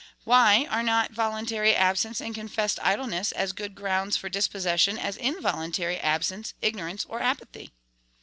why are not voluntary absence and confessed idleness as good grounds for dispossession as involuntary absence, ignorance, or apathy?